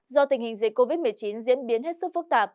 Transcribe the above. do tình hình dịch covid một mươi chín diễn biến hết sức phức tạp